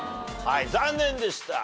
はい残念でした。